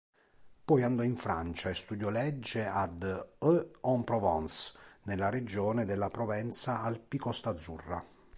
Poi andò in Francia e studiò legge ad Aix-en-Provence, nella regione della Provenza-Alpi-Costa Azzurra.